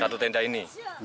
satu tenda ini